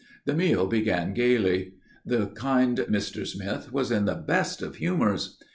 The meal began gaily. The kind Mr. Smith was in the best of humours.